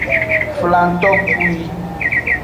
Flangtokpui.